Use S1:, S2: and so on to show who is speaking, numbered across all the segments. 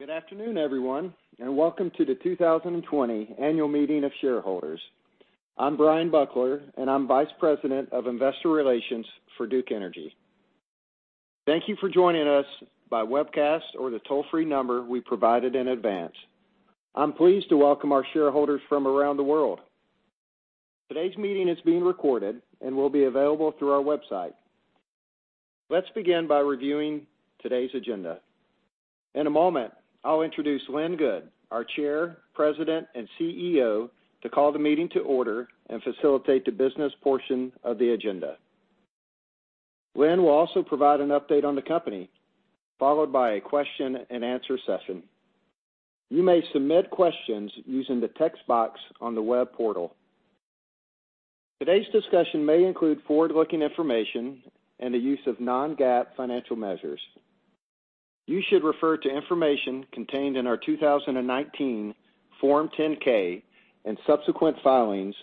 S1: Good afternoon, everyone, and welcome to the 2020 Annual Meeting of Shareholders. I'm Bryan Buckler, and I'm Vice President of Investor Relations for Duke Energy. Thank you for joining us by webcast or the toll-free number we provided in advance. I'm pleased to welcome our shareholders from around the world. Today's meeting is being recorded and will be available through our website. Let's begin by reviewing today's agenda. In a moment, I'll introduce Lynn Good, our Chair, President, and CEO, to call the meeting to order and facilitate the business portion of the agenda. Lynn will also provide an update on the company, followed by a question and answer session. You may submit questions using the text box on the web portal. Today's discussion may include forward-looking information and the use of non-GAAP financial measures. You should refer to information contained in our 2019 Form 10-K and subsequent filings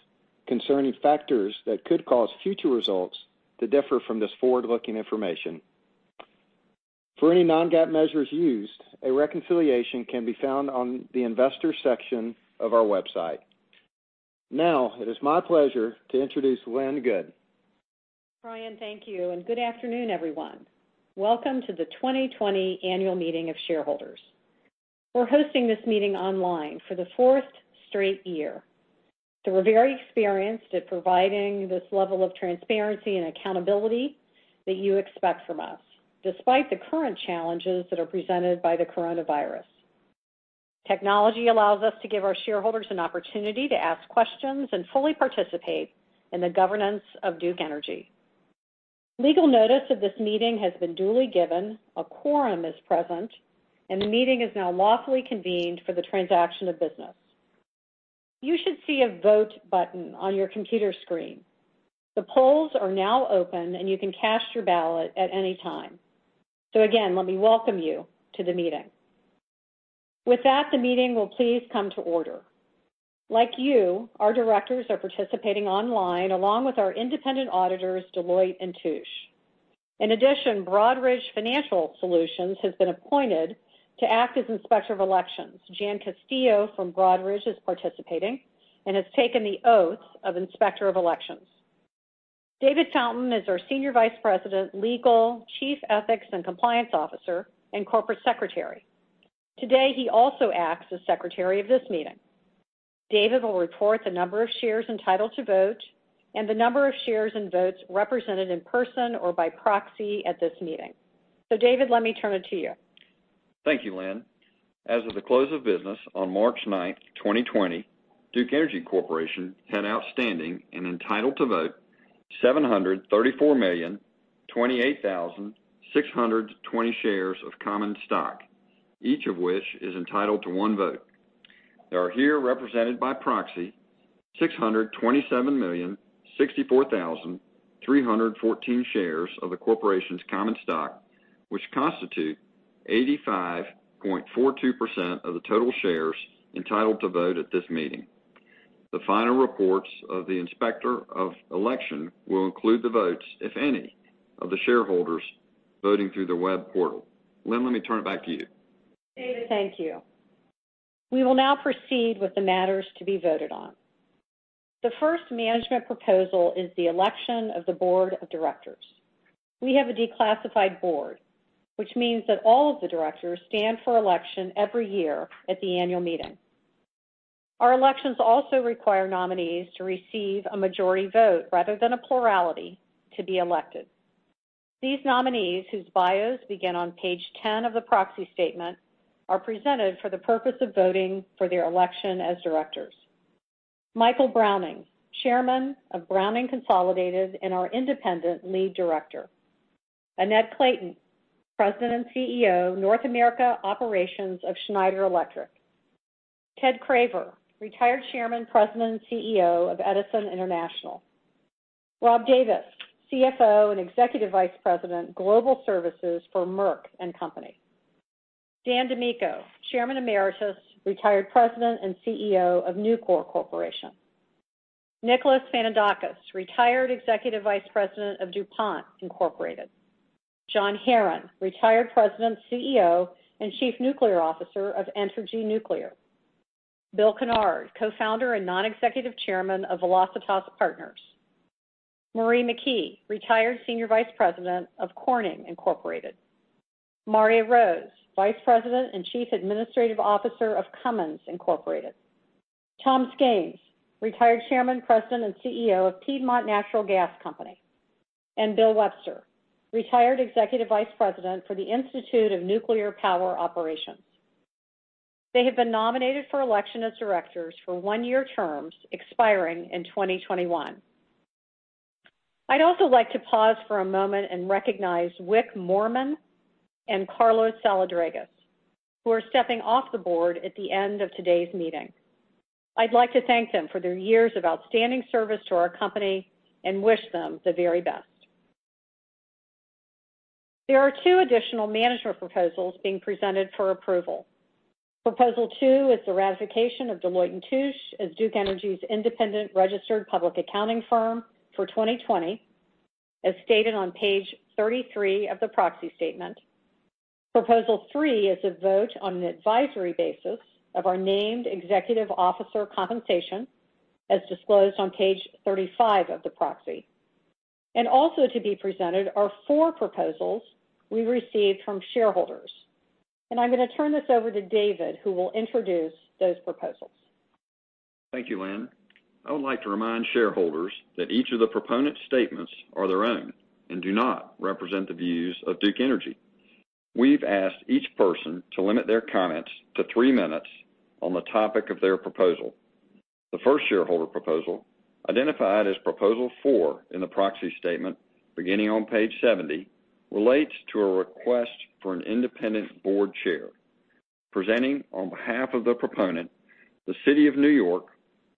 S1: concerning factors that could cause future results to differ from this forward-looking information. For any non-GAAP measures used, a reconciliation can be found on the investor section of our website. It is my pleasure to introduce Lynn Good.
S2: Bryan, thank you. Good afternoon, everyone. Welcome to the 2020 Annual Meeting of Shareholders. We're hosting this meeting online for the fourth straight year, so we're very experienced at providing this level of transparency and accountability that you expect from us, despite the current challenges that are presented by the coronavirus. Technology allows us to give our shareholders an opportunity to ask questions and fully participate in the governance of Duke Energy. Legal notice of this meeting has been duly given, a quorum is present, and the meeting is now lawfully convened for the transaction of business. You should see a vote button on your computer screen. The polls are now open, and you can cast your ballot at any time. Again, let me welcome you to the meeting. With that, the meeting will please come to order. Like you, our directors are participating online, along with our independent auditors, Deloitte & Touche. Broadridge Financial Solutions has been appointed to act as Inspector of Elections. Jan Castillo from Broadridge is participating and has taken the oath of Inspector of Elections. David Fountain is our Senior Vice President, Legal, Chief Ethics and Compliance Officer, and Corporate Secretary. Today, he also acts as Secretary of this meeting. David will report the number of shares entitled to vote and the number of shares and votes represented in person or by proxy at this meeting. David, let me turn it to you.
S3: Thank you, Lynn. As of the close of business on March 9th, 2020, Duke Energy Corporation had outstanding and entitled to vote 734,028,620 shares of common stock, each of which is entitled to one vote. There are here represented by proxy 627,064,314 shares of the corporation's common stock, which constitute 85.42% of the total shares entitled to vote at this meeting. The final reports of the Inspector of Elections will include the votes, if any, of the shareholders voting through the web portal. Lynn, let me turn it back to you.
S2: David, thank you. We will now proceed with the matters to be voted on. The first management proposal is the election of the Board of Directors. We have a declassified board, which means that all of the directors stand for election every year at the annual meeting. Our elections also require nominees to receive a majority vote rather than a plurality to be elected. These nominees, whose bios begin on page 10 of the proxy statement, are presented for the purpose of voting for their election as directors. Michael Browning, Chairman of Browning Consolidated and our Independent Lead Director. Annette Clayton, President and CEO, North America Operations of Schneider Electric. Ted Craver, Retired Chairman, President, and CEO of Edison International. Rob Davis, CFO and Executive Vice President, Global Services for Merck & Company. Dan DiMicco, Chairman Emeritus, Retired President and CEO of Nucor Corporation. Nicholas Fanandakis, Retired Executive Vice President of DuPont Incorporated. John Herron, Retired President, CEO, and Chief Nuclear Officer of Entergy Nuclear. Bill Kennard, Co-founder and Non-Executive Chairman of Velocitas Partners. Marie McKee, Retired Senior Vice President of Corning Incorporated. Marya Rose, Vice President and Chief Administrative Officer of Cummins Incorporated. Tom Skains, Retired Chairman, President, and CEO of Piedmont Natural Gas Company. Bill Webster, Retired Executive Vice President for the Institute of Nuclear Power Operations. They have been nominated for election as directors for one-year terms expiring in 2021. I'd also like to pause for a moment and recognize Wick Moorman and Carlos Saladrigas, who are stepping off the board at the end of today's meeting. I'd like to thank them for their years of outstanding service to our company and wish them the very best. There are two additional management proposals being presented for approval. Proposal 2 is the ratification of Deloitte & Touche as Duke Energy's independent registered public accounting firm for 2020, as stated on page 33 of the proxy statement. Proposal 3 is a vote on an advisory basis of our named executive officer compensation, as disclosed on page 35 of the proxy. Also to be presented are four proposals we received from shareholders. I'm going to turn this over to David, who will introduce those proposals.
S3: Thank you, Lynn. I would like to remind shareholders that each of the proponent statements are their own and do not represent the views of Duke Energy. We've asked each person to limit their comments to three minutes on the topic of their proposal. The first shareholder proposal, identified as Proposal 4 in the proxy statement beginning on page 70, relates to a request for an independent board chair. Presenting on behalf of the proponent, the City of New York,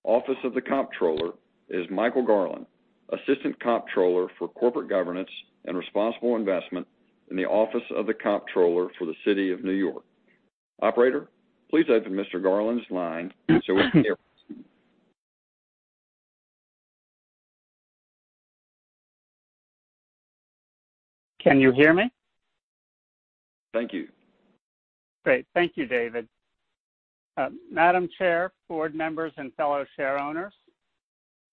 S3: Office of the Comptroller, is Michael Garland, Assistant Comptroller for Corporate Governance and Responsible Investment in the Office of the Comptroller for the City of New York. Operator, please open Mr. Garland's line so we can hear him.
S4: Can you hear me?
S3: Thank you.
S4: Great. Thank you, David. Madam Chair, board members, and fellow share owners,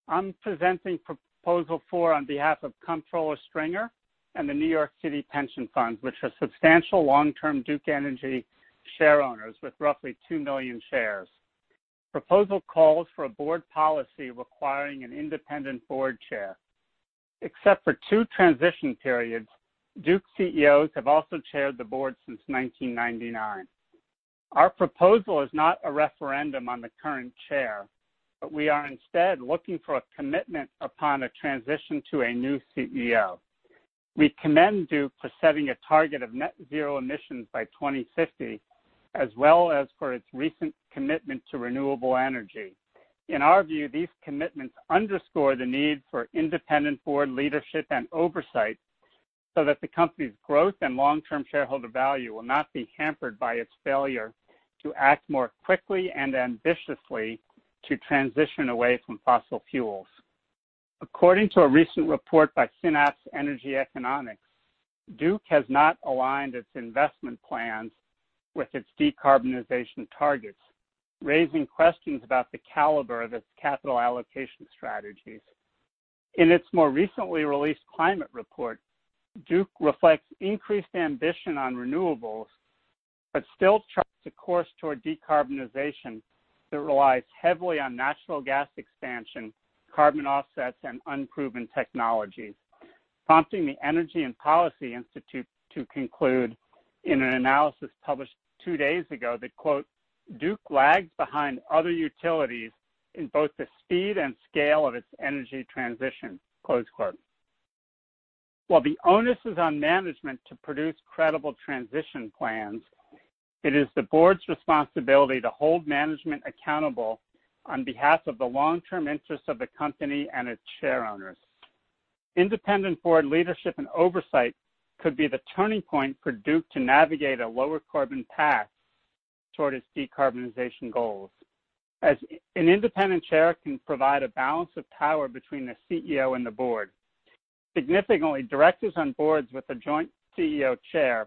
S4: I'm presenting Proposal 4 on behalf of Comptroller Stringer and the New York City Pension Funds, which are substantial long-term Duke Energy share owners with roughly 2 million shares. Proposal calls for a board policy requiring an independent board chair. Except for two transition periods, Duke CEOs have also chaired the board since 1999. Our proposal is not a referendum on the current chair, but we are instead looking for a commitment upon a transition to a new CEO. We commend Duke for setting a target of net zero emissions by 2050, as well as for its recent commitment to renewable energy. In our view, these commitments underscore the need for independent board leadership and oversight so that the company's growth and long-term shareholder value will not be hampered by its failure to act more quickly and ambitiously to transition away from fossil fuels. According to a recent report by Synapse Energy Economics, Duke has not aligned its investment plans with its decarbonization targets, raising questions about the caliber of its capital allocation strategies. In its more recently released climate report, Duke reflects increased ambition on renewables, but still charts a course toward decarbonization that relies heavily on natural gas expansion, carbon offsets, and unproven technologies, prompting the Energy and Policy Institute to conclude in an analysis published two days ago that, quote, "Duke lags behind other utilities in both the speed and scale of its energy transition." While the onus is on management to produce credible transition plans, it is the board's responsibility to hold management accountable on behalf of the long-term interests of the company and its share owners. Independent board leadership and oversight could be the turning point for Duke to navigate a lower carbon path toward its decarbonization goals, as an independent chair can provide a balance of power between the CEO and the board. Significantly, directors on boards with a joint CEO chair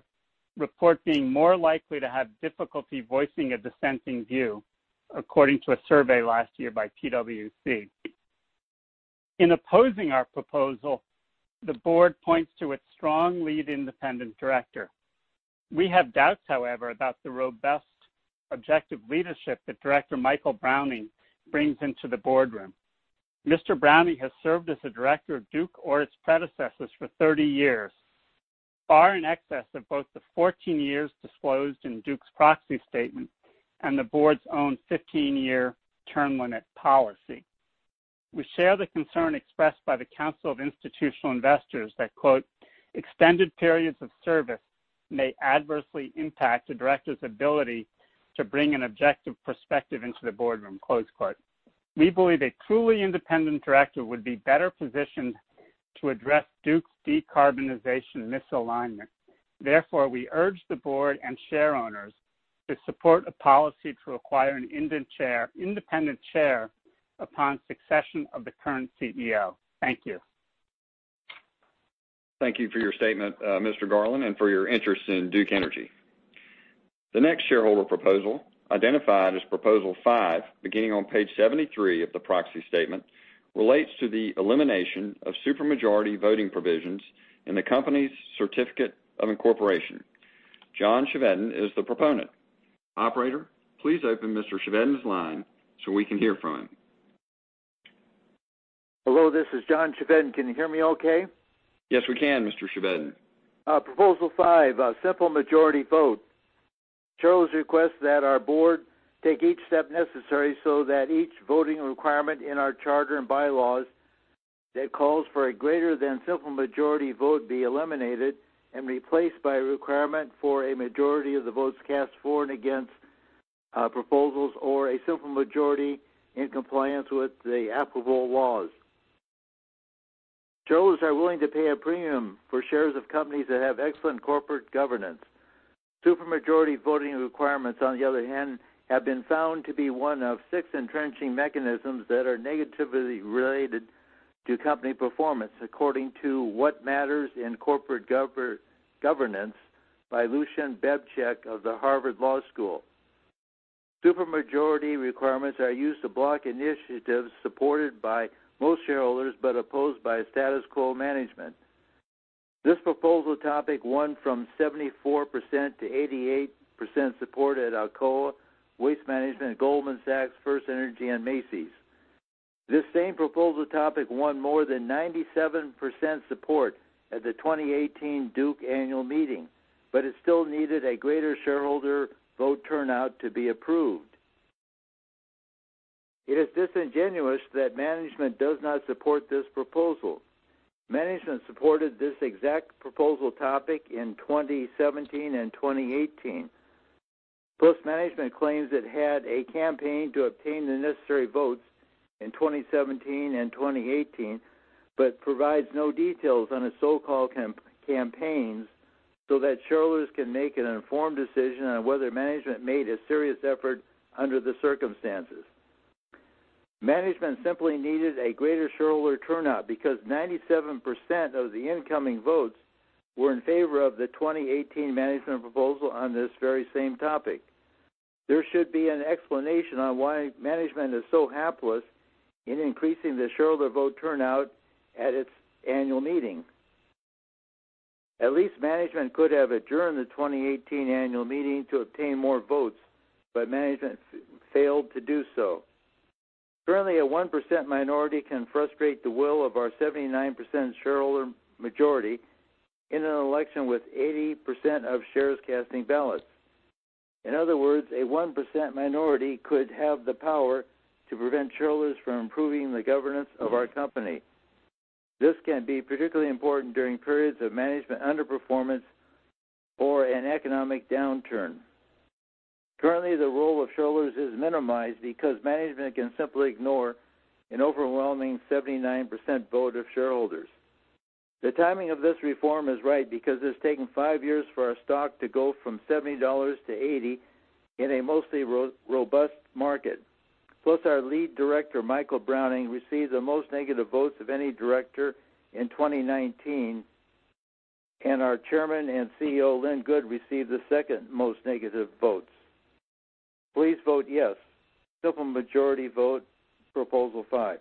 S4: report being more likely to have difficulty voicing a dissenting view, according to a survey last year by PwC. In opposing our proposal, the board points to its strong lead independent director. We have doubts, however, about the robust, objective leadership that Director Michael Browning brings into the boardroom. Mr. Browning has served as a director of Duke or its predecessors for 30 years, far in excess of both the 14 years disclosed in Duke's proxy statement and the board's own 15-year term limit policy. We share the concern expressed by the Council of Institutional Investors that, "Extended periods of service may adversely impact a director's ability to bring an objective perspective into the boardroom." We believe a truly independent director would be better positioned to address Duke's decarbonization misalignment. We urge the board and share owners to support a policy to require an independent chair upon succession of the current CEO. Thank you.
S3: Thank you for your statement, Mr. Garland, and for your interest in Duke Energy. The next shareholder proposal, identified as Proposal 5 beginning on page 73 of the proxy statement, relates to the elimination of supermajority voting provisions in the company's certificate of incorporation. John Chevedden is the proponent. Operator, please open Mr. Chevedden's line so we can hear from him.
S5: Hello, this is John Chevedden. Can you hear me okay?
S3: Yes, we can, Mr. Chevedden.
S5: Proposal 5, simple majority vote. Charles requests that our Board take each step necessary so that each voting requirement in our charter and bylaws that calls for a greater than simple majority vote be eliminated and replaced by a requirement for a majority of the votes cast for and against proposals or a simple majority in compliance with the applicable laws. Shareholders are willing to pay a premium for shares of companies that have excellent corporate governance. Super majority voting requirements, on the other hand, have been found to be one of six entrenching mechanisms that are negatively related to company performance, according to What Matters in Corporate Governance? by Lucian Bebchuk of the Harvard Law School. Super majority requirements are used to block initiatives supported by most shareholders but opposed by status quo management. This proposal topic won from 74% to 88% support at Alcoa, Waste Management, Goldman Sachs, FirstEnergy, and Macy's. This same proposal topic won more than 97% support at the 2018 Duke annual meeting, but it still needed a greater shareholder vote turnout to be approved. It is disingenuous that management does not support this proposal. Management supported this exact proposal topic in 2017 and 2018. Management claims it had a campaign to obtain the necessary votes in 2017 and 2018, but provides no details on its so-called campaigns so that shareholders can make an informed decision on whether management made a serious effort under the circumstances. Management simply needed a greater shareholder turnout because 97% of the incoming votes were in favor of the 2018 management proposal on this very same topic. There should be an explanation on why management is so hapless in increasing the shareholder vote turnout at its annual meeting. At least management could have adjourned the 2018 annual meeting to obtain more votes, but management failed to do so. Currently, a 1% minority can frustrate the will of our 79% shareholder majority in an election with 80% of shares casting ballots. In other words, a 1% minority could have the power to prevent shareholders from improving the governance of our company. This can be particularly important during periods of management underperformance or an economic downturn. Currently, the role of shareholders is minimized because management can simply ignore an overwhelming 79% vote of shareholders. The timing of this reform is right because it's taken five years for our stock to go from $70-$80 in a mostly robust market. Plus, our lead director, Michael Browning, received the most negative votes of any director in 2019, and our Chairman and CEO, Lynn Good, received the second most negative votes. Please vote yes. Simple majority vote, proposal 5.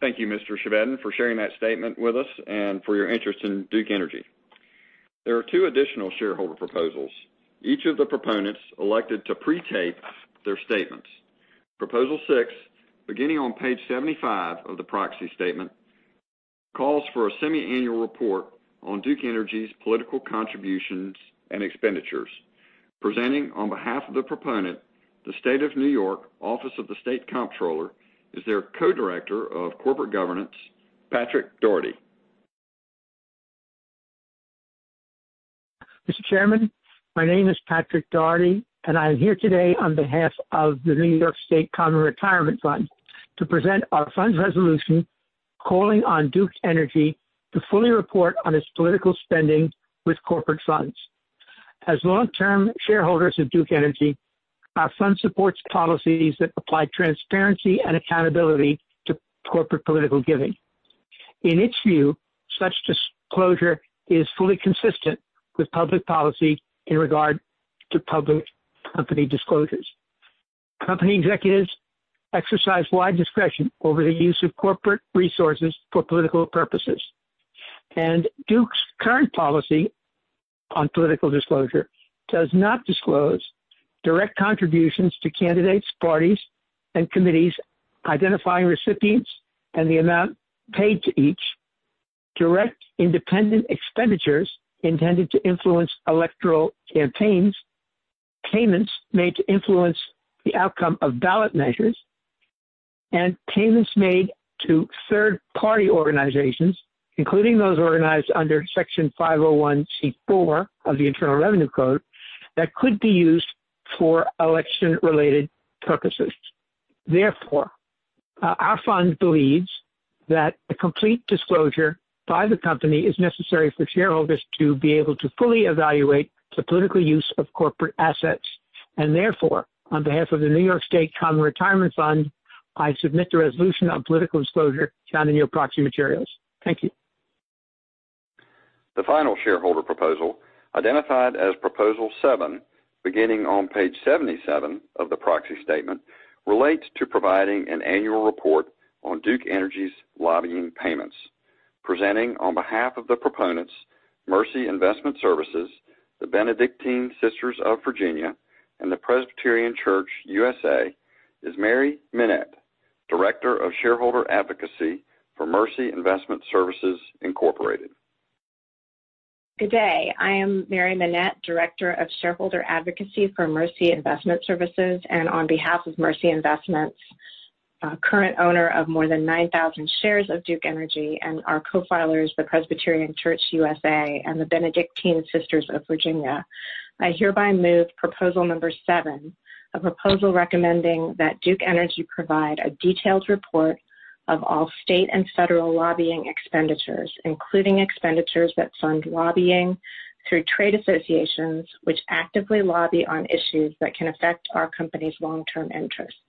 S3: Thank you, Mr. Chevedden, for sharing that statement with us and for your interest in Duke Energy. There are two additional shareholder proposals. Each of the proponents elected to pre-tape their statements. Proposal 6, beginning on page 75 of the proxy statement, calls for a semi-annual report on Duke Energy's political contributions and expenditures. Presenting on behalf of the proponent, the State of New York, Office of the State Comptroller, is their co-Director of Corporate Governance, Patrick Doherty.
S6: Mr. Chairman, my name is Patrick Doherty, and I'm here today on behalf of the New York State Common Retirement Fund to present our fund's resolution calling on Duke Energy to fully report on its political spending with corporate funds. As long-term shareholders of Duke Energy, our fund supports policies that apply transparency and accountability to corporate political giving. In its view, such disclosure is fully consistent with public policy in regard to public company disclosures. Company executives exercise wide discretion over the use of corporate resources for political purposes. Duke's current policy on political disclosure does not disclose direct contributions to candidates, parties, and committees identifying recipients and the amount paid to each, direct independent expenditures intended to influence electoral campaigns, payments made to influence the outcome of ballot measures, and payments made to third-party organizations, including those organized under Section 501(c)(4) of the Internal Revenue Code, that could be used for election-related purposes. Therefore, our fund believes that a complete disclosure by the company is necessary for shareholders to be able to fully evaluate the political use of corporate assets and therefore, on behalf of the New York State Common Retirement Fund, I submit the resolution on political disclosure found in your proxy materials. Thank you.
S3: The final shareholder proposal, identified as Proposal 7, beginning on page 77 of the proxy statement, relates to providing an annual report on Duke Energy's lobbying payments. Presenting on behalf of the proponents, Mercy Investment Services, the Benedictine Sisters of Virginia, and the Presbyterian Church USA, is Mary Minette, Director of Shareholder Advocacy for Mercy Investment Services, Inc..
S7: Good day. I am Mary Minette, Director of Shareholder Advocacy for Mercy Investment Services, and on behalf of Mercy Investments, a current owner of more than 9,000 shares of Duke Energy and our co-filers, the Presbyterian Church (U.S.A.), and the Benedictine Sisters of Virginia, I hereby move Proposal number 7, a proposal recommending that Duke Energy provide a detailed report of all state and federal lobbying expenditures, including expenditures that fund lobbying through trade associations which actively lobby on issues that can affect our company's long-term interests.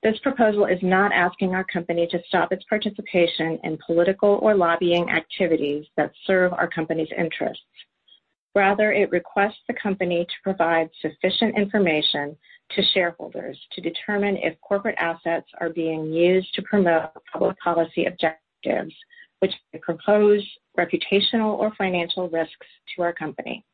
S7: This proposal is not asking our company to stop its participation in political or lobbying activities that serve our company's interests. Rather, it requests the company to provide sufficient information to shareholders to determine if corporate assets are being used to promote public policy objectives which could pose reputational or financial risks to our company.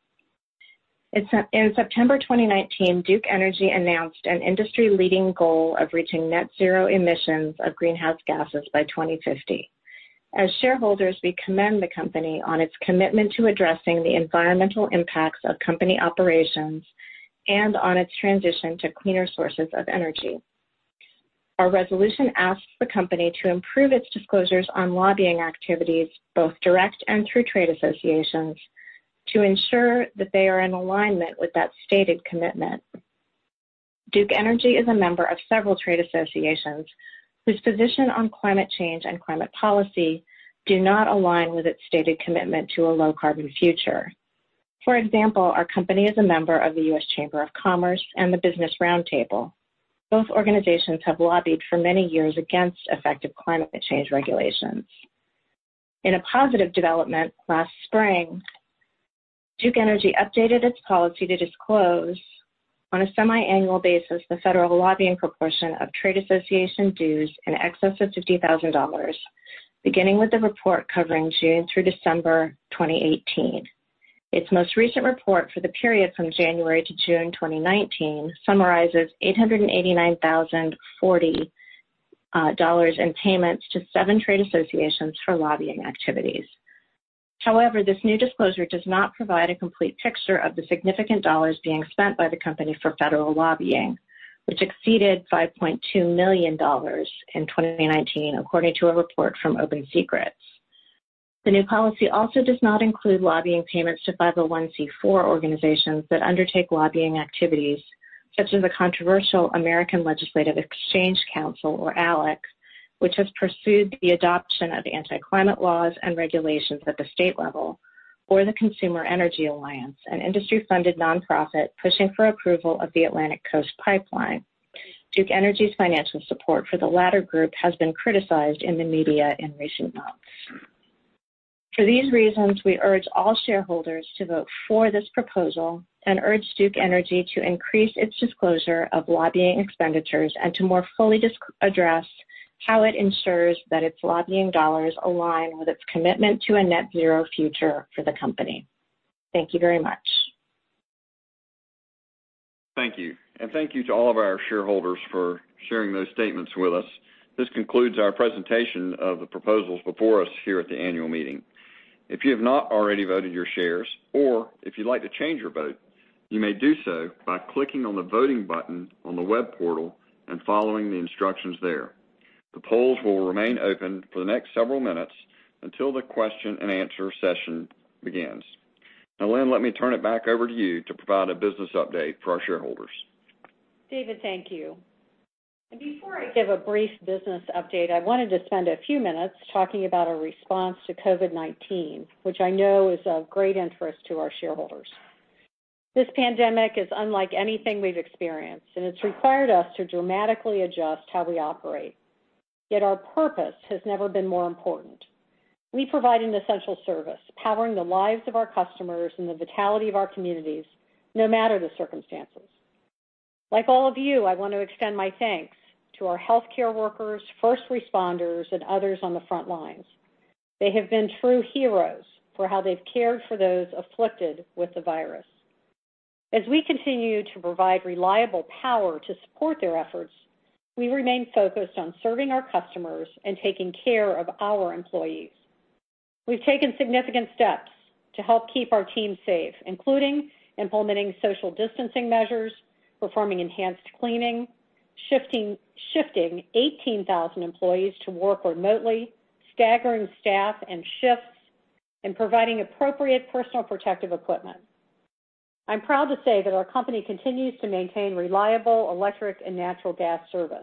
S7: In September 2019, Duke Energy announced an industry-leading goal of reaching net zero emissions of greenhouse gases by 2050. As shareholders, we commend the company on its commitment to addressing the environmental impacts of company operations and on its transition to cleaner sources of energy. Our resolution asks the company to improve its disclosures on lobbying activities, both direct and through trade associations, to ensure that they are in alignment with that stated commitment. Duke Energy is a member of several trade associations whose position on climate change and climate policy do not align with its stated commitment to a low-carbon future. For example, our company is a member of the U.S. Chamber of Commerce and the Business Roundtable. Both organizations have lobbied for many years against effective climate change regulations. In a positive development last spring, Duke Energy updated its policy to disclose, on a semi-annual basis, the federal lobbying proportion of trade association dues in excess of $50,000, beginning with the report covering June through December 2018. Its most recent report for the period from January to June 2019 summarizes $889,040 in payments to seven trade associations for lobbying activities. This new disclosure does not provide a complete picture of the significant dollars being spent by the company for federal lobbying, which exceeded $5.2 million in 2019, according to a report from OpenSecrets. The new policy also does not include lobbying payments to 501(c)(4) organizations that undertake lobbying activities, such as the controversial American Legislative Exchange Council, or ALEC, which has pursued the adoption of anti-climate laws and regulations at the state level, or the Consumer Energy Alliance, an industry-funded nonprofit pushing for approval of the Atlantic Coast Pipeline. Duke Energy's financial support for the latter group has been criticized in the media in recent months. For these reasons, we urge all shareholders to vote for this proposal and urge Duke Energy to increase its disclosure of lobbying expenditures and to more fully address how it ensures that its lobbying dollars align with its commitment to a net zero future for the company. Thank you very much.
S3: Thank you. Thank you to all of our shareholders for sharing those statements with us. This concludes our presentation of the proposals before us here at the annual meeting. If you have not already voted your shares, or if you'd like to change your vote, you may do so by clicking on the Voting button on the web portal and following the instructions there. The polls will remain open for the next several minutes until the question and answer session begins. Now, Lynn, let me turn it back over to you to provide a business update for our shareholders.
S2: David, thank you. Before I give a brief business update, I wanted to spend a few minutes talking about our response to COVID-19, which I know is of great interest to our shareholders. This pandemic is unlike anything we've experienced, and it's required us to dramatically adjust how we operate. Yet our purpose has never been more important. We provide an essential service, powering the lives of our customers and the vitality of our communities, no matter the circumstances. Like all of you, I want to extend my thanks to our healthcare workers, first responders, and others on the front lines. They have been true heroes for how they've cared for those afflicted with the virus. As we continue to provide reliable power to support their efforts, we remain focused on serving our customers and taking care of our employees. We've taken significant steps to help keep our team safe, including implementing social distancing measures, performing enhanced cleaning, shifting 18,000 employees to work remotely, staggering staff and shifts, and providing appropriate personal protective equipment. I'm proud to say that our company continues to maintain reliable electric and natural gas service.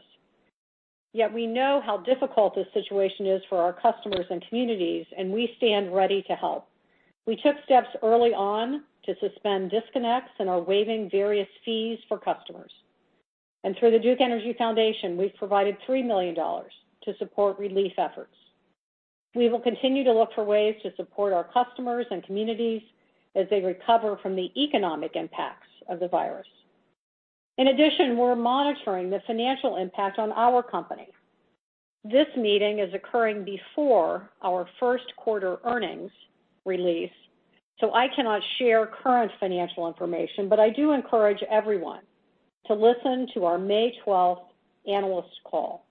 S2: We know how difficult this situation is for our customers and communities, and we stand ready to help. We took steps early on to suspend disconnects and are waiving various fees for customers. Through the Duke Energy Foundation, we've provided $3 million to support relief efforts. We will continue to look for ways to support our customers and communities as they recover from the economic impacts of the virus. In addition, we're monitoring the financial impact on our company. This meeting is occurring before our first quarter earnings release. I cannot share current financial information, but I do encourage everyone to listen to our May 12th analyst call.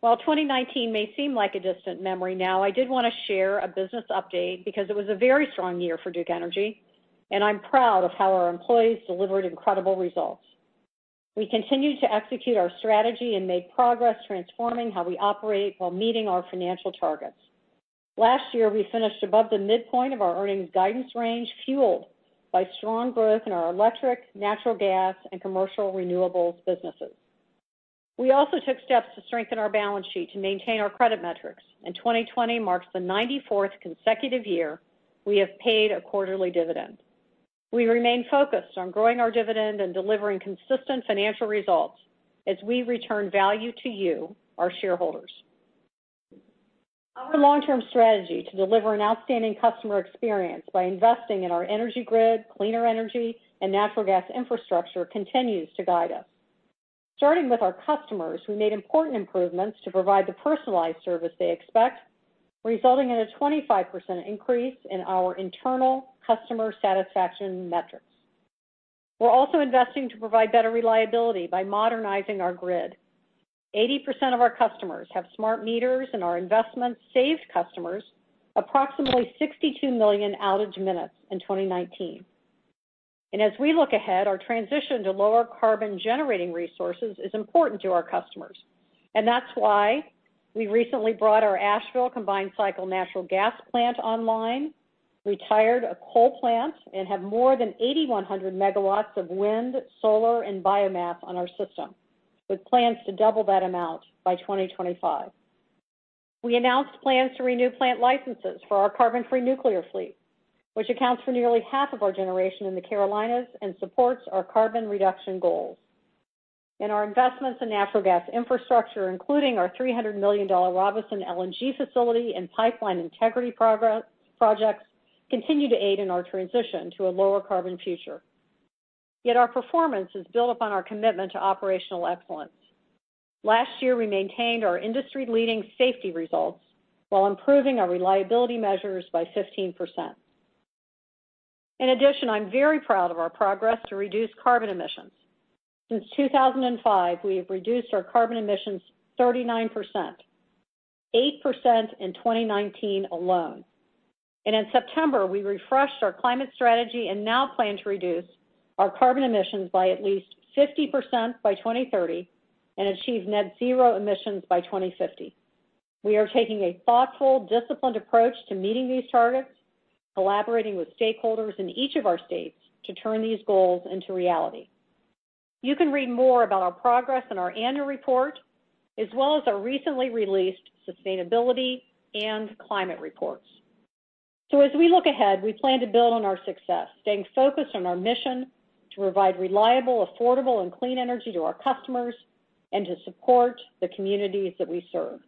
S2: While 2019 may seem like a distant memory now, I did want to share a business update because it was a very strong year for Duke Energy, and I am proud of how our employees delivered incredible results. We continued to execute our strategy and made progress transforming how we operate while meeting our financial targets. Last year, we finished above the midpoint of our earnings guidance range, fueled by strong growth in our electric, natural gas, and commercial renewables businesses. We also took steps to strengthen our balance sheet to maintain our credit metrics. 2020 marks the 94th consecutive year we have paid a quarterly dividend. We remain focused on growing our dividend and delivering consistent financial results as we return value to you, our shareholders. Our long-term strategy to deliver an outstanding customer experience by investing in our energy grid, cleaner energy, and natural gas infrastructure continues to guide us. Starting with our customers, we made important improvements to provide the personalized service they expect, resulting in a 25% increase in our internal customer satisfaction metrics. We're also investing to provide better reliability by modernizing our grid. 80% of our customers have smart meters, and our investments saved customers approximately 62 million outage minutes in 2019. As we look ahead, our transition to lower carbon generating resources is important to our customers, that's why we recently brought our Asheville combined cycle natural gas plant online, retired a coal plant, and have more than 8,100 megawatts of wind, solar, and biomass on our system, with plans to double that amount by 2025. We announced plans to renew plant licenses for our carbon-free nuclear fleet, which accounts for nearly half of our generation in the Carolinas and supports our carbon reduction goals. Our investments in natural gas infrastructure, including our $300 million Robeson LNG facility and pipeline integrity projects, continue to aid in our transition to a lower carbon future. Yet our performance is built upon our commitment to operational excellence. Last year, we maintained our industry-leading safety results while improving our reliability measures by 15%. In addition, I'm very proud of our progress to reduce carbon emissions. Since 2005, we have reduced our carbon emissions 39%, 8% in 2019 alone. In September, we refreshed our climate strategy and now plan to reduce our carbon emissions by at least 50% by 2030 and achieve net zero emissions by 2050. We are taking a thoughtful, disciplined approach to meeting these targets, collaborating with stakeholders in each of our states to turn these goals into reality. You can read more about our progress in our annual report, as well as our recently released sustainability and climate reports. As we look ahead, we plan to build on our success, staying focused on our mission to provide reliable, affordable and clean energy to our customers and to support the communities that we serve.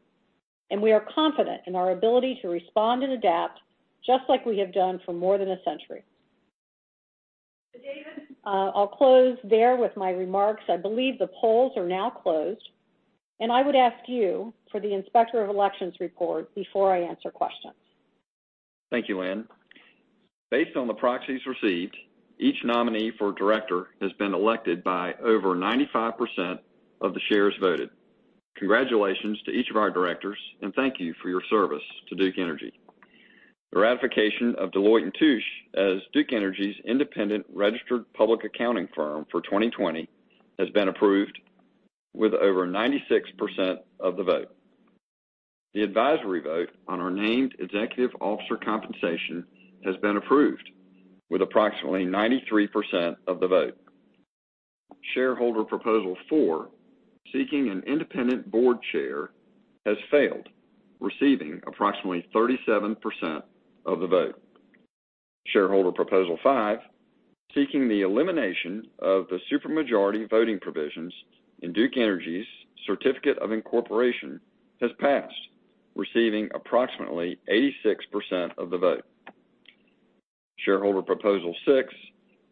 S2: We are confident in our ability to respond and adapt, just like we have done for more than a century. David, I'll close there with my remarks. I believe the polls are now closed, and I would ask you for the inspector of elections report before I answer questions.
S3: Thank you, Lynn. Based on the proxies received, each nominee for director has been elected by over 95% of the shares voted. Congratulations to each of our directors, thank you for your service to Duke Energy. The ratification of Deloitte & Touche as Duke Energy's independent registered public accounting firm for 2020 has been approved with over 96% of the vote. The advisory vote on our named executive officer compensation has been approved with approximately 93% of the vote. Shareholder Proposal 4, seeking an independent board chair, has failed, receiving approximately 37% of the vote. Shareholder Proposal 5, seeking the elimination of the supermajority voting provisions in Duke Energy's certificate of incorporation, has passed, receiving approximately 86% of the vote. Shareholder Proposal 6,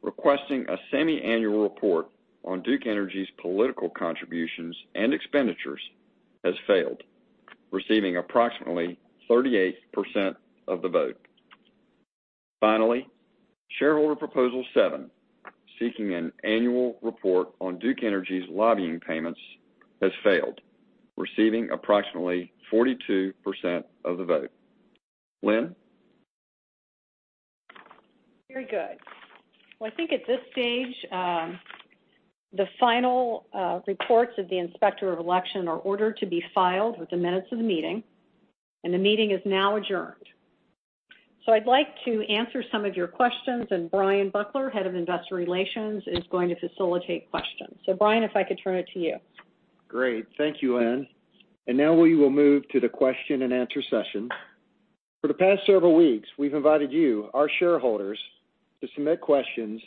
S3: requesting a semi-annual report on Duke Energy's political contributions and expenditures, has failed, receiving approximately 38% of the vote. Finally, Shareholder Proposal 7, seeking an annual report on Duke Energy's lobbying payments, has failed, receiving approximately 42% of the vote. Lynn?
S2: Very good. At this stage, the final reports of the Inspector of Elections are ordered to be filed with the minutes of the meeting, and the meeting is now adjourned. I'd like to answer some of your questions, and Bryan Buckler, head of investor relations, is going to facilitate questions. Bryan, if I could turn it to you.
S1: Great. Thank you, Lynn. Now we will move to the question and answer session. For the past several weeks, we've invited you, our shareholders, to submit questions.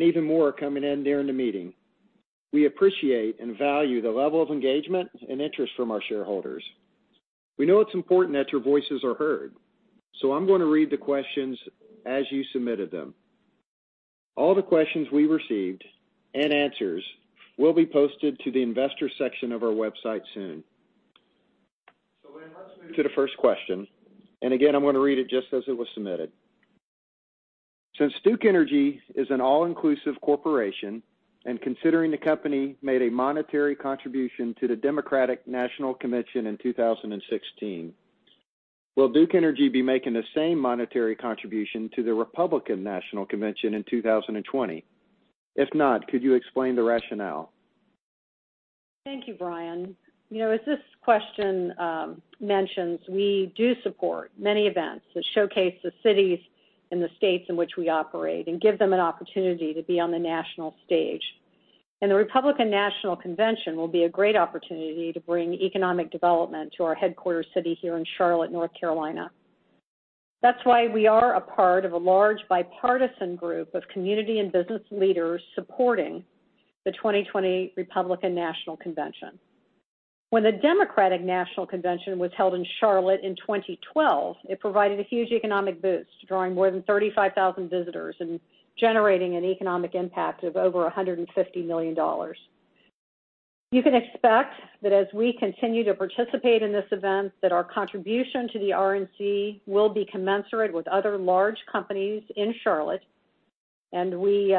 S1: Even more are coming in during the meeting. We appreciate and value the level of engagement and interest from our shareholders. We know it's important that your voices are heard. I'm going to read the questions as you submitted them. All the questions we received, answers, will be posted to the investor section of our website soon. Lynn, let's move to the first question. Again, I'm going to read it just as it was submitted. Since Duke Energy is an all-inclusive corporation, and considering the company made a monetary contribution to the Democratic National Convention in 2016, will Duke Energy be making the same monetary contribution to the Republican National Convention in 2020? If not, could you explain the rationale?
S2: Thank you, Bryan. As this question mentions, we do support many events that showcase the cities and the states in which we operate and give them an opportunity to be on the national stage. The Republican National Convention will be a great opportunity to bring economic development to our headquarter city here in Charlotte, North Carolina. That's why we are a part of a large bipartisan group of community and business leaders supporting the 2020 Republican National Convention. When the Democratic National Convention was held in Charlotte in 2012, it provided a huge economic boost, drawing more than 35,000 visitors and generating an economic impact of over $150 million. You can expect that as we continue to participate in this event that our contribution to the RNC will be commensurate with other large companies in Charlotte. We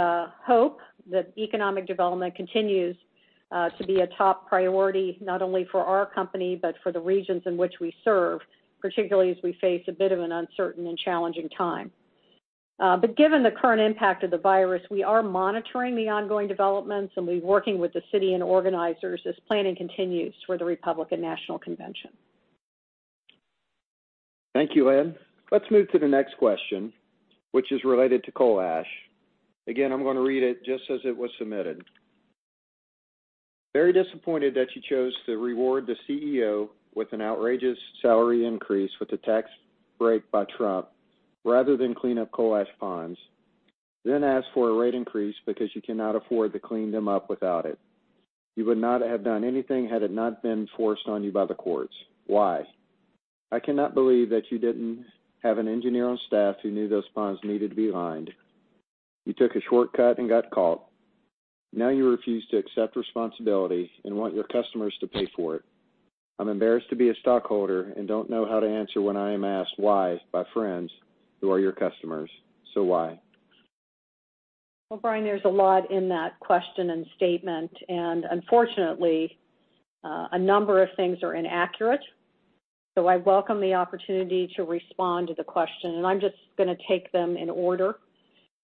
S2: hope that economic development continues to be a top priority, not only for our company, but for the regions in which we serve, particularly as we face a bit of an uncertain and challenging time. Given the current impact of the virus, we are monitoring the ongoing developments, and we're working with the city and organizers as planning continues for the Republican National Convention.
S1: Thank you, Lynn. Let's move to the next question, which is related to coal ash. Again, I'm going to read it just as it was submitted. Very disappointed that you chose to reward the CEO with an outrageous salary increase with the tax break by Trump rather than clean up coal ash ponds, then ask for a rate increase because you cannot afford to clean them up without it. You would not have done anything had it not been forced on you by the courts. Why? I cannot believe that you didn't have an engineer on staff who knew those ponds needed to be lined. You took a shortcut and got caught. Now you refuse to accept responsibility and want your customers to pay for it. I'm embarrassed to be a stockholder and don't know how to answer when I am asked why by friends who are your customers. Why?
S2: Well, Bryan, there's a lot in that question and statement, unfortunately, a number of things are inaccurate. I welcome the opportunity to respond to the question, I'm just going to take them in order.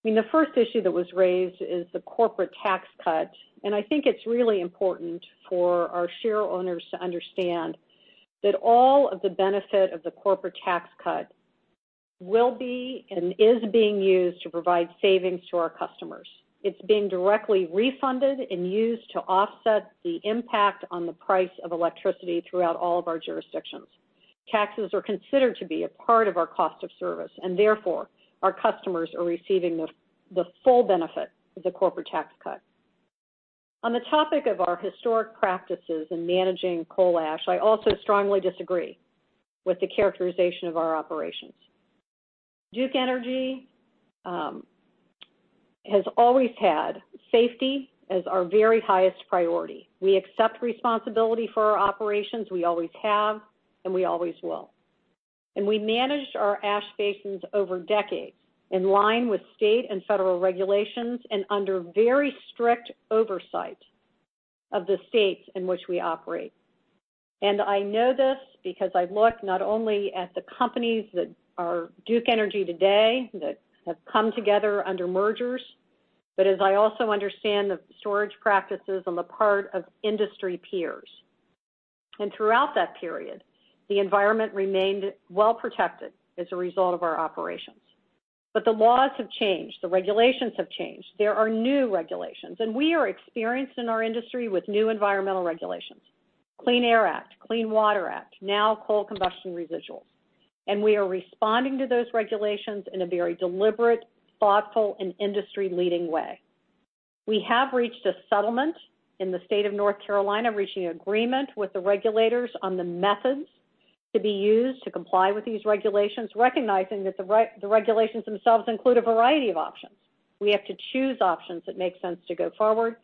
S2: The first issue that was raised is the corporate tax cut, I think it's really important for our shareowners to understand that all of the benefit of the corporate tax cut will be and is being used to provide savings to our customers. It's being directly refunded and used to offset the impact on the price of electricity throughout all of our jurisdictions. Taxes are considered to be a part of our cost of service, therefore, our customers are receiving the full benefit of the corporate tax cut. On the topic of our historic practices in managing coal ash, I also strongly disagree with the characterization of our operations. Duke Energy has always had safety as our very highest priority. We accept responsibility for our operations. We always have, and we always will. We managed our ash basins over decades in line with state and federal regulations and under very strict oversight of the states in which we operate. I know this because I look not only at the companies that are Duke Energy today, that have come together under mergers, but as I also understand the storage practices on the part of industry peers. Throughout that period, the environment remained well protected as a result of our operations. The laws have changed, the regulations have changed. There are new regulations, and we are experienced in our industry with new environmental regulations. Clean Air Act, Clean Water Act, now coal combustion residuals. We are responding to those regulations in a very deliberate, thoughtful, and industry-leading way. We have reached a settlement in the state of North Carolina, reaching an agreement with the regulators on the methods to be used to comply with these regulations, recognizing that the regulations themselves include a variety of options. We have to choose options that make sense to go forward,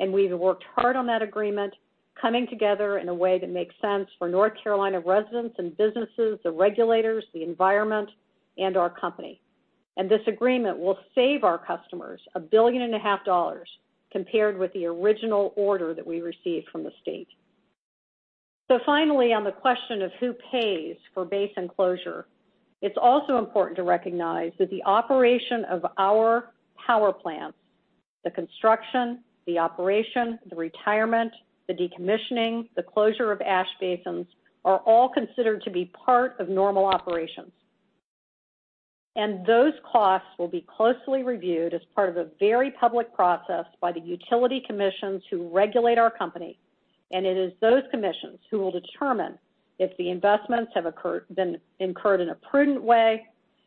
S2: we've worked hard on that agreement, coming together in a way that makes sense for North Carolina residents and businesses, the regulators, the environment, and our company. This agreement will save our customers a billion and a half dollars compared with the original order that we received from the state. Finally, on the question of who pays for basin closure, it's also important to recognize that the operation of our power plants, the construction, the operation, the retirement, the decommissioning, the closure of ash basins, are all considered to be part of normal operations. Those costs will be closely reviewed as part of a very public process by the utility commissions who regulate our company, it is those commissions who will determine if the investments have been incurred in a prudent way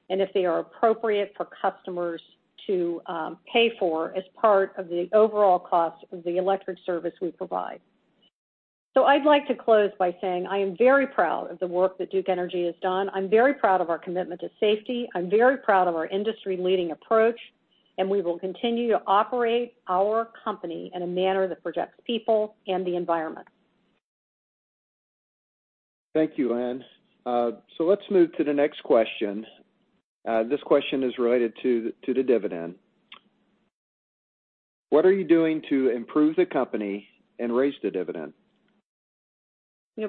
S2: and if they are appropriate for customers to pay for as part of the overall cost of the electric service we provide. I'd like to close by saying I am very proud of the work that Duke Energy has done. I'm very proud of our commitment to safety. I'm very proud of our industry-leading approach. We will continue to operate our company in a manner that protects people and the environment.
S1: Thank you, Lynn. Let's move to the next question. This question is related to the dividend. What are you doing to improve the company and raise the dividend?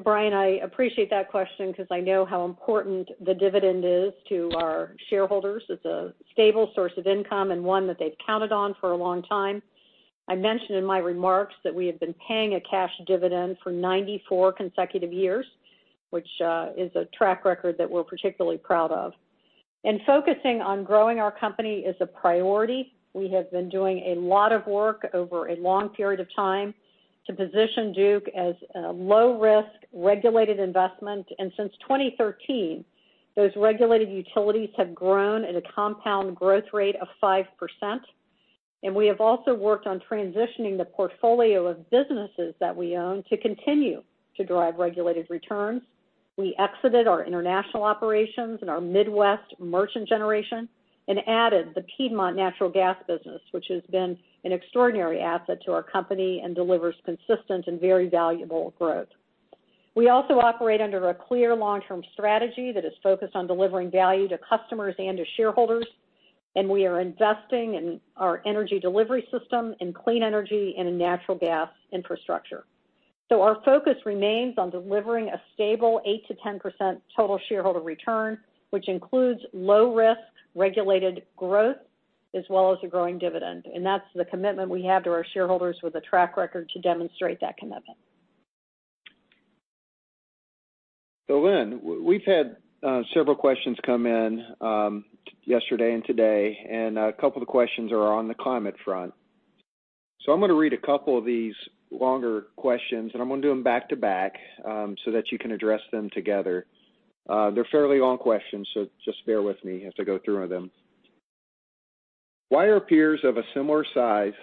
S2: Bryan, I appreciate that question because I know how important the dividend is to our shareholders. It's a stable source of income and one that they've counted on for a long time. I mentioned in my remarks that we have been paying a cash dividend for 94 consecutive years, which is a track record that we're particularly proud of. Focusing on growing our company is a priority. We have been doing a lot of work over a long period of time to position Duke as a low-risk, regulated investment. Since 2013, those regulated utilities have grown at a compound growth rate of 5%. We have also worked on transitioning the portfolio of businesses that we own to continue to drive regulated returns. We exited our international operations and our Midwest merchant generation and added the Piedmont Natural Gas business, which has been an extraordinary asset to our company and delivers consistent and very valuable growth. We also operate under a clear long-term strategy that is focused on delivering value to customers and to shareholders. We are investing in our energy delivery system, in clean energy, and in natural gas infrastructure. Our focus remains on delivering a stable 8%-10% total shareholder return, which includes low-risk regulated growth, as well as a growing dividend. That's the commitment we have to our shareholders with a track record to demonstrate that commitment.
S1: Lynn, we've had several questions come in yesterday and today, and a couple of the questions are on the climate front. I'm going to read a couple of these longer questions, and I'm going to do them back-to-back so that you can address them together. They're fairly long questions, just bear with me as I go through them. Why are peers of a similar size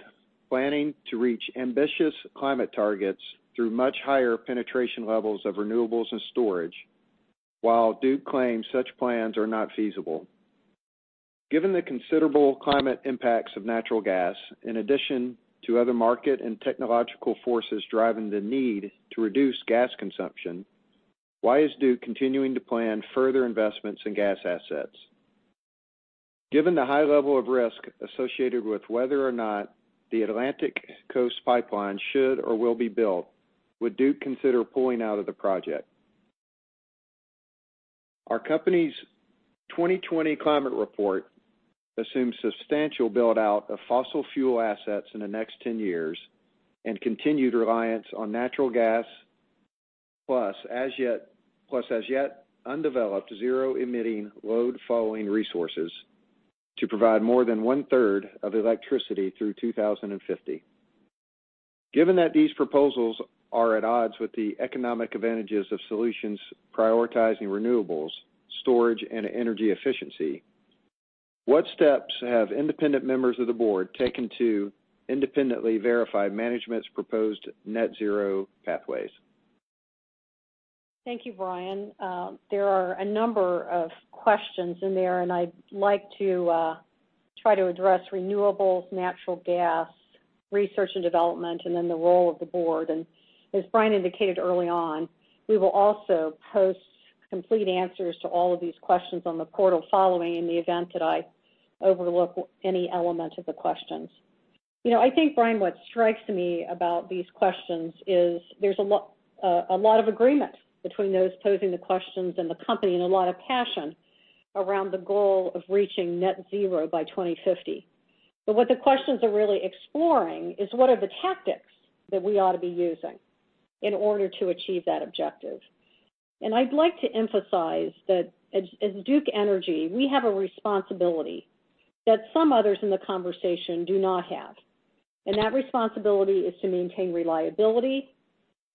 S1: planning to reach ambitious climate targets through much higher penetration levels of renewables and storage, while Duke claims such plans are not feasible? Given the considerable climate impacts of natural gas, in addition to other market and technological forces driving the need to reduce gas consumption, why is Duke continuing to plan further investments in gas assets? Given the high level of risk associated with whether or not the Atlantic Coast Pipeline should or will be built, would Duke consider pulling out of the project? Our company's 2020 Climate Report assumes substantial build-out of fossil fuel assets in the next 10 years and continued reliance on natural gas, plus as yet undeveloped zero-emitting load following resources to provide more than one-third of electricity through 2050. Given that these proposals are at odds with the economic advantages of solutions prioritizing renewables, storage, and energy efficiency, what steps have independent members of the board taken to independently verify management's proposed net zero pathways?
S2: Thank you, Bryan. There are a number of questions in there, and I'd like to try to address renewables, natural gas, research and development, and then the role of the board. As Bryan indicated early on, we will also post complete answers to all of these questions on the portal following in the event that I overlook any element of the questions. I think, Bryan, what strikes me about these questions is there's a lot of agreement between those posing the questions and the company, and a lot of passion around the goal of reaching net zero by 2050. What the questions are really exploring is what are the tactics that we ought to be using in order to achieve that objective. I'd like to emphasize that as Duke Energy, we have a responsibility that some others in the conversation do not have, and that responsibility is to maintain reliability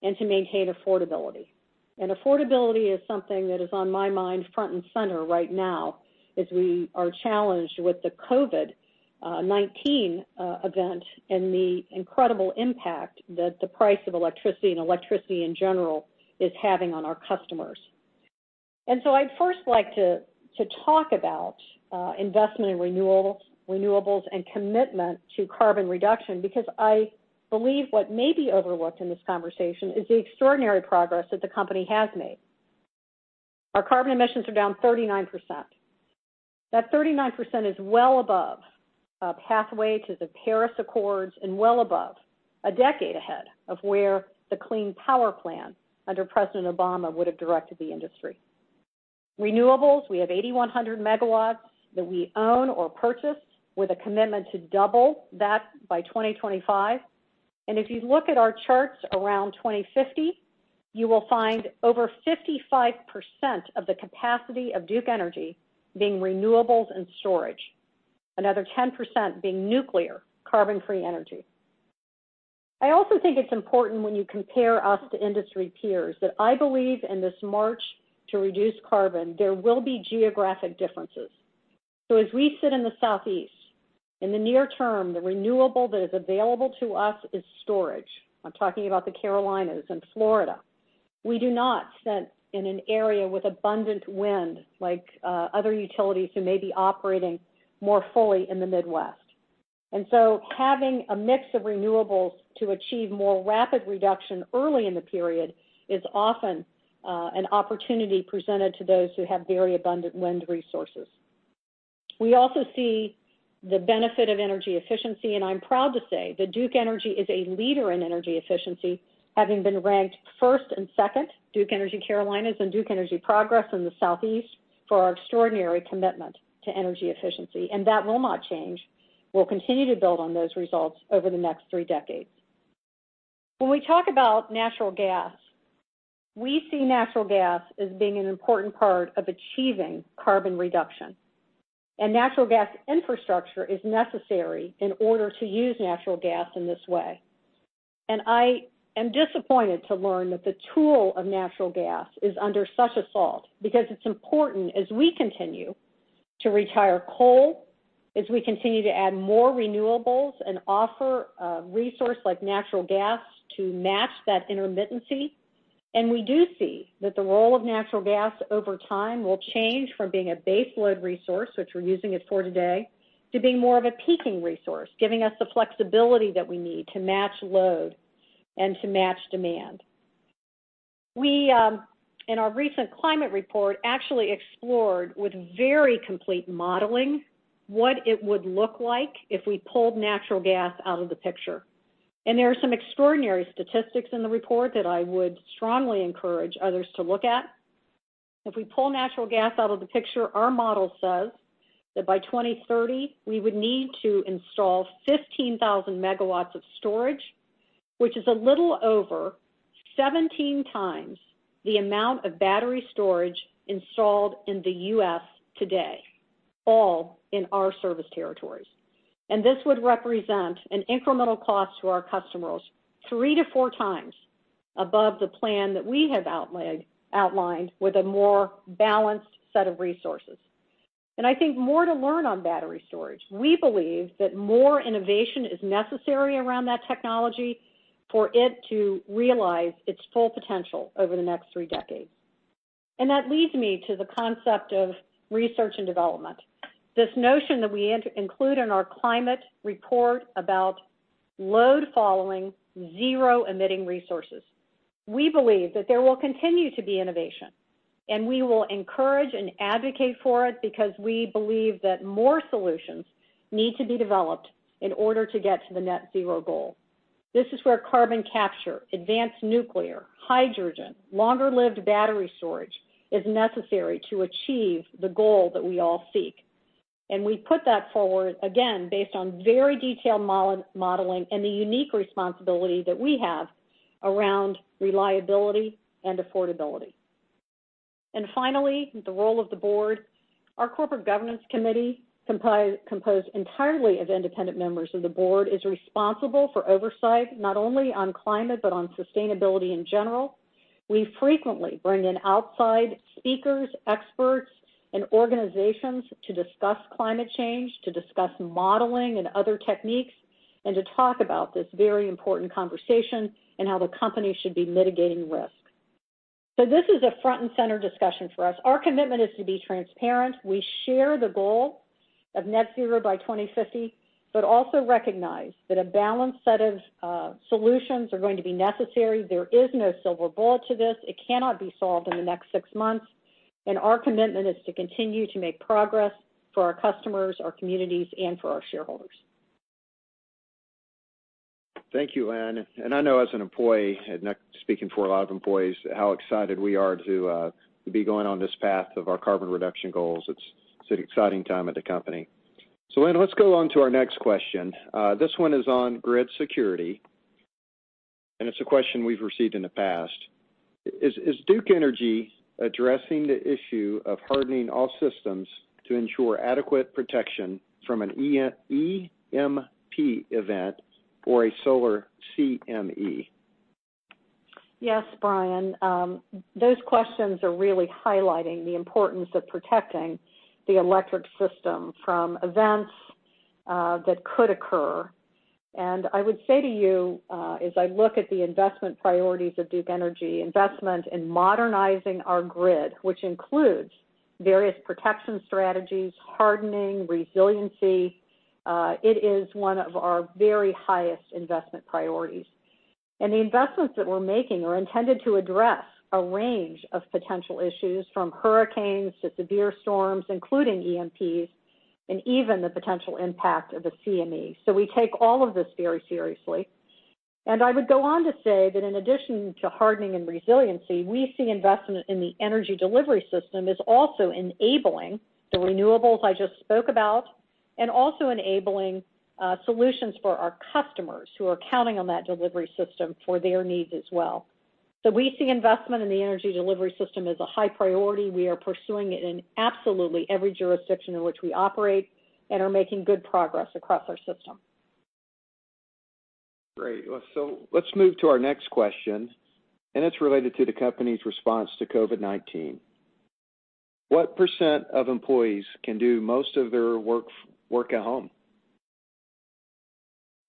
S2: and to maintain affordability. Affordability is something that is on my mind front and center right now as we are challenged with the COVID-19 event and the incredible impact that the price of electricity and electricity in general is having on our customers. I'd first like to talk about investment in renewables and commitment to carbon reduction because I believe what may be overlooked in this conversation is the extraordinary progress that the company has made. Our carbon emissions are down 39%. That 39% is well above a pathway to the Paris Agreement and well above a decade ahead of where the Clean Power Plan under President Obama would have directed the industry. Renewables, we have 8,100 MW that we own or purchased with a commitment to double that by 2025. If you look at our charts around 2050, you will find over 55% of the capacity of Duke Energy being renewables and storage, another 10% being nuclear carbon-free energy. I also think it's important when you compare us to industry peers that I believe in this march to reduce carbon, there will be geographic differences. As we sit in the Southeast, in the near term, the renewable that is available to us is storage. I'm talking about the Carolinas and Florida. We do not sit in an area with abundant wind like other utilities who may be operating more fully in the Midwest. Having a mix of renewables to achieve more rapid reduction early in the period is often an opportunity presented to those who have very abundant wind resources. We also see the benefit of energy efficiency, and I'm proud to say that Duke Energy is a leader in energy efficiency, having been ranked first and second, Duke Energy Carolinas and Duke Energy Progress in the Southeast, for our extraordinary commitment to energy efficiency. That will not change. We'll continue to build on those results over the next three decades. When we talk about natural gas, we see natural gas as being an important part of achieving carbon reduction. Natural gas infrastructure is necessary in order to use natural gas in this way. I am disappointed to learn that the tool of natural gas is under such assault because it's important as we continue to retire coal, as we continue to add more renewables and offer a resource like natural gas to match that intermittency. We do see that the role of natural gas over time will change from being a base load resource, which we're using it for today, to being more of a peaking resource, giving us the flexibility that we need to match load and to match demand. We, in our recent climate report, actually explored with very complete modeling what it would look like if we pulled natural gas out of the picture. There are some extraordinary statistics in the report that I would strongly encourage others to look at. If we pull natural gas out of the picture, our model says that by 2030, we would need to install 15,000 MW of storage, which is a little over 17 times the amount of battery storage installed in the U.S. today, all in our service territories. This would represent an incremental cost to our customers three to four times above the plan that we have outlined with a more balanced set of resources. I think more to learn on battery storage. We believe that more innovation is necessary around that technology for it to realize its full potential over the next three decades. That leads me to the concept of research and development. This notion that we include in our climate report about load following zero emitting resources. We believe that there will continue to be innovation, and we will encourage and advocate for it because we believe that more solutions need to be developed in order to get to the net zero goal. This is where carbon capture, advanced nuclear, hydrogen, longer lived battery storage is necessary to achieve the goal that we all seek. We put that forward, again, based on very detailed modeling and the unique responsibility that we have around reliability and affordability. Finally, the role of the board. Our corporate governance committee, composed entirely of independent members of the board, is responsible for oversight not only on climate but on sustainability in general. We frequently bring in outside speakers, experts, and organizations to discuss climate change, to discuss modeling and other techniques, and to talk about this very important conversation and how the company should be mitigating risk. This is a front and center discussion for us. Our commitment is to be transparent. We share the goal of net zero by 2050, but also recognize that a balanced set of solutions are going to be necessary. There is no silver bullet to this. It cannot be solved in the next six months, and our commitment is to continue to make progress for our customers, our communities, and for our shareholders.
S1: Thank you, Anne. I know as an employee, and speaking for a lot of employees, how excited we are to be going on this path of our carbon reduction goals. It's an exciting time at the company. Lynn, let's go on to our next question. This one is on grid security, and it's a question we've received in the past. Is Duke Energy addressing the issue of hardening all systems to ensure adequate protection from an EMP event or a solar CME?
S2: Yes, Bryan. Those questions are really highlighting the importance of protecting the electric system from events that could occur. I would say to you, as I look at the investment priorities of Duke Energy, investment in modernizing our grid, which includes various protection strategies, hardening, resiliency, it is one of our very highest investment priorities. The investments that we're making are intended to address a range of potential issues, from hurricanes to severe storms, including EMPs, and even the potential impact of a CME. We take all of this very seriously. I would go on to say that in addition to hardening and resiliency, we see investment in the energy delivery system as also enabling the renewables I just spoke about, and also enabling solutions for our customers who are counting on that delivery system for their needs as well. We see investment in the energy delivery system as a high priority. We are pursuing it in absolutely every jurisdiction in which we operate and are making good progress across our system.
S1: Great. Let's move to our next question, and it's related to the company's response to COVID-19. What percent of employees can do most of their work at home?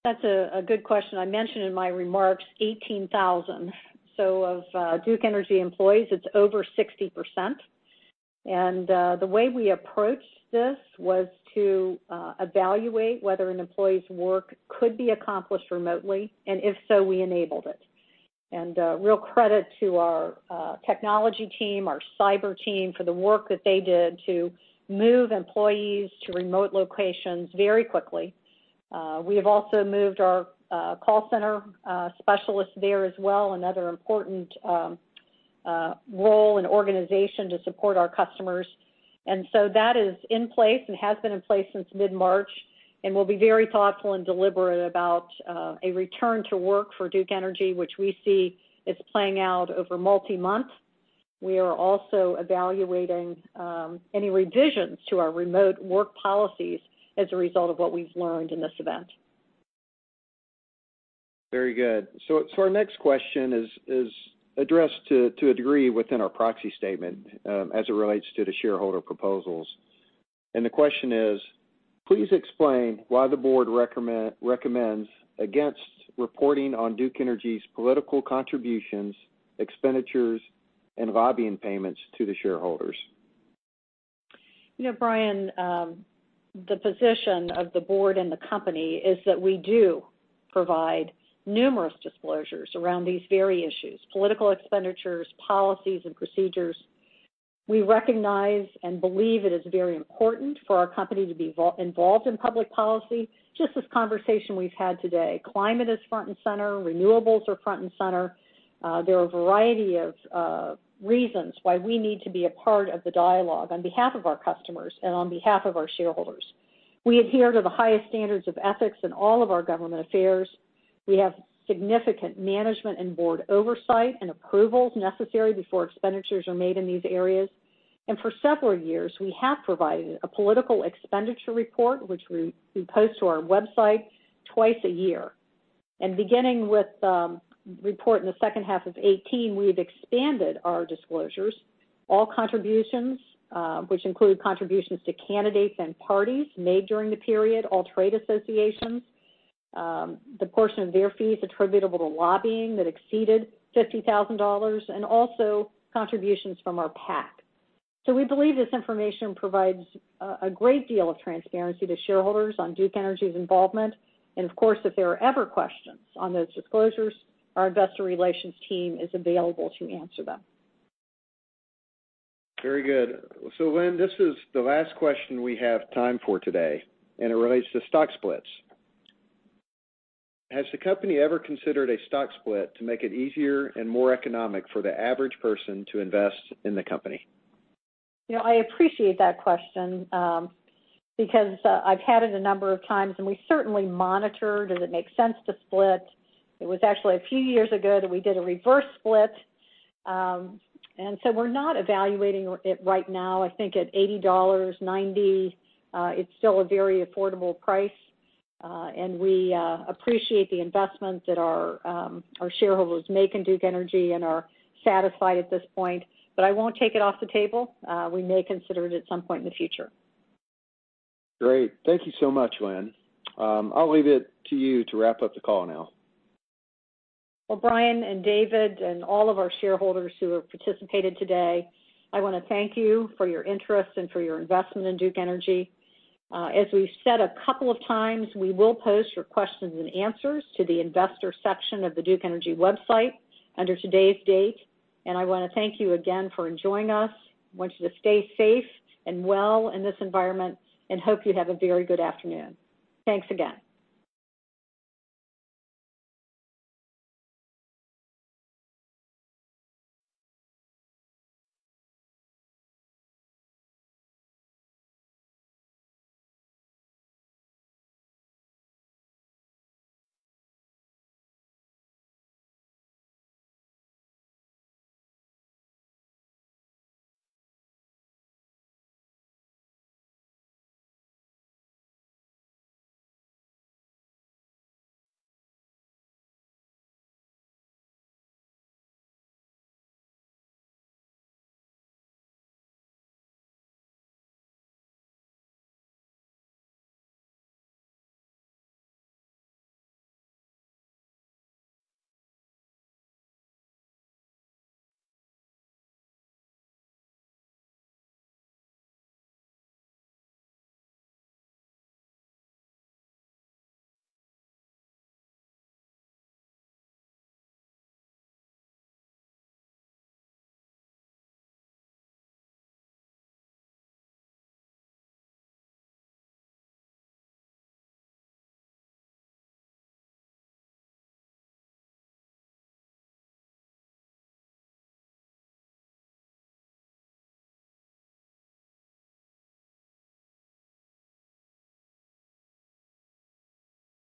S2: That's a good question. I mentioned in my remarks 18,000. Of Duke Energy employees, it's over 60%. The way we approached this was to evaluate whether an employee's work could be accomplished remotely, and if so, we enabled it. Real credit to our technology team, our cyber team, for the work that they did to move employees to remote locations very quickly. We have also moved our call center specialists there as well, another important role and organization to support our customers. That is in place and has been in place since mid-March, and we'll be very thoughtful and deliberate about a return to work for Duke Energy, which we see is playing out over multi-month. We are also evaluating any revisions to our remote work policies as a result of what we've learned in this event.
S1: Very good. Our next question is addressed to a degree within our proxy statement as it relates to the shareholder proposals. The question is, please explain why the board recommends against reporting on Duke Energy's political contributions, expenditures, and lobbying payments to the shareholders.
S2: Bryan, the position of the board and the company is that we do provide numerous disclosures around these very issues, political expenditures, policies, and procedures. We recognize and believe it is very important for our company to be involved in public policy. Just this conversation we've had today. Climate is front and center. Renewables are front and center. There are a variety of reasons why we need to be a part of the dialogue on behalf of our customers and on behalf of our shareholders. We adhere to the highest standards of ethics in all of our government affairs. We have significant management and board oversight and approvals necessary before expenditures are made in these areas. For several years, we have provided a political expenditure report, which we post to our website twice a year. Beginning with the report in the second half of 2018, we've expanded our disclosures. All contributions, which include contributions to candidates and parties made during the period, all trade associations, the portion of their fees attributable to lobbying that exceeded $50,000, and also contributions from our PAC. We believe this information provides a great deal of transparency to shareholders on Duke Energy's involvement. Of course, if there are ever questions on those disclosures, our investor relations team is available to answer them.
S1: Very good. Lynn, this is the last question we have time for today, and it relates to stock splits. Has the company ever considered a stock split to make it easier and more economic for the average person to invest in the company?
S2: I appreciate that question because I've had it a number of times, and we certainly monitor does it make sense to split. It was actually a few years ago that we did a reverse split. We're not evaluating it right now. I think at $80, $90, it's still a very affordable price. We appreciate the investment that our shareholders make in Duke Energy and are satisfied at this point. I won't take it off the table. We may consider it at some point in the future.
S1: Great. Thank you so much, Lynn. I'll leave it to you to wrap up the call now.
S2: Bryan and David and all of our shareholders who have participated today, I want to thank you for your interest and for your investment in Duke Energy. As we've said a couple of times, we will post your questions and answers to the investor section of the Duke Energy website under today's date. I want to thank you again for joining us. I want you to stay safe and well in this environment. I hope you have a very good afternoon. Thanks again.